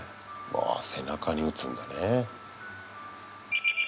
ああ、背中に打つんだね。